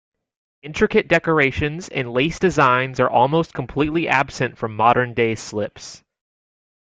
Intricate decorations and lace designs are almost completely absent from modern day slips.